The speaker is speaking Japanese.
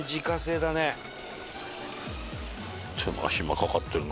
手間ひまかかってるね。